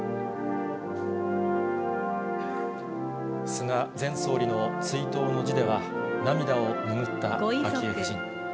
菅前総理の追悼の辞では涙を拭った昭恵夫人。